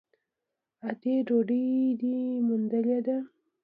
_ادې ! ډوډۍ دې موندلې ده؟